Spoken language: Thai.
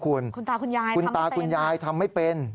คุณตาคุณยายทำไม่เป็นคุณตาคุณยายทำไม่เป็น